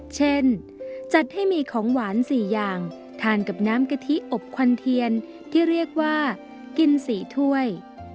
เช่นจัดให้มีของหวาน๔อย่างทานกับน้ำกะทิอบควันเทียนที่เรียกว่ากิน๔ถ้วย